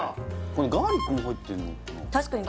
これガーリックも入ってんのかな